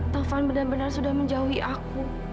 taufan benar benar sudah menjauhi aku